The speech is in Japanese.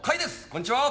こんにちは！